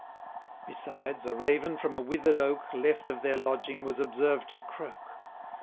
Besides, a Raven from a wither'd oak, Left of their lodging, was observed to croak.